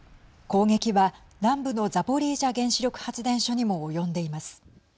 攻撃は南部のザポリージャ原子力発電所にも及んでいます。